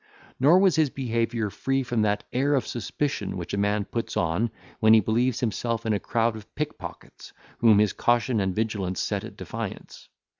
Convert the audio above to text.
Nor was his behaviour free from that air of suspicion which a man puts on when he believes himself in a crowd of pick pockets, whom his caution and vigilance set at defiance.